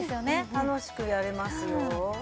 楽しくやれますよ。